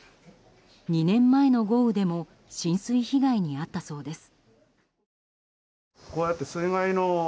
２年前の豪雨でも浸水被害に遭ったそうです。